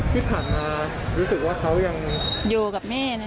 ที่ผ่านมารู้สึกว่าเขายังอยู่กับแม่นะ